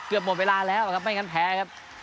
เกือบหมดเวลาแล้วนะครับไม่อย่างนั้นแพ้ครับ